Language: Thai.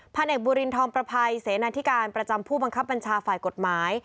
เด็กบุรินทองประภัยเสนาธิการประจำผู้บังคับบัญชาฝ่ายกฎหมาย